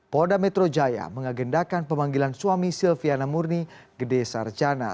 polda metro jaya mengagendakan pemanggilan suami silviana murni gede sarjana